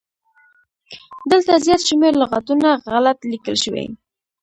دلته زيات شمېر لغاتونه غلت ليکل شوي